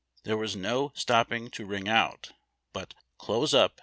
Tiiere was no stop ping to wring out. But " close up